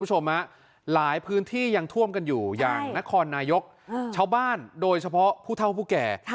คุณผู้ชมหลายพื้นที่ยังท่วมกันอยู่อย่างนครนายกชาวบ้านโดยเฉพาะผู้เท่าผู้แก่